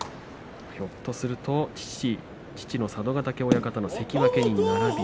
ひょっとすると父の佐渡ヶ嶽親方の関脇に並び